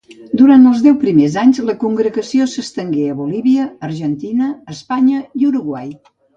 Durant els deu primers anys, la congregació s'estengué a Bolívia, Argentina, Espanya i Uruguai.